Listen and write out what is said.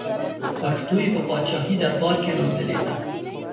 پښتو یې په پاچاهي دربار کې روزلې ده.